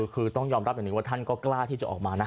คือต้องยอมรับอย่างนี้ว่าท่านก็กล้าที่จะออกมานะ